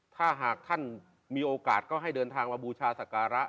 ถ้าหากท่านมีโอกาสก็ให้เดินทางมาบูชาศักระ